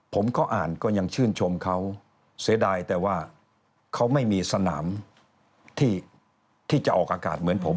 ผมเขาอ่านก็ยังชื่นชมเขาเสียดายแต่ว่าเขาไม่มีสนามที่จะออกอากาศเหมือนผม